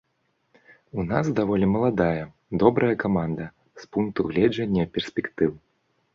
У нас даволі маладая, добрая каманда з пункту гледжання перспектыў.